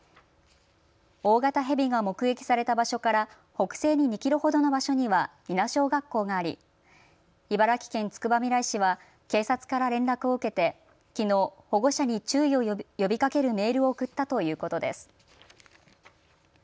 大型ヘビが目撃された場所から北西に２キロほどの場所には伊奈小学校があり茨城県つくばみらい市は警察から連絡を受けてきのう保護者に注意を呼びかけるメールを送ったということです。